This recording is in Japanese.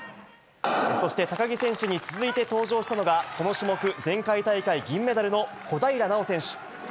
そして、高木選手に続いて登場したのが、この種目、前回大会銀メダルの小平奈緒選手。